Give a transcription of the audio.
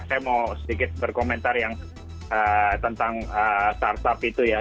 saya mau sedikit berkomentar yang tentang startup itu ya